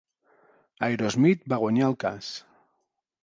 Aerosmith va guanyar el cas.